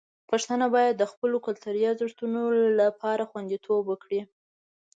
پښتانه باید د خپلو کلتوري ارزښتونو لپاره خوندیتوب وکړي.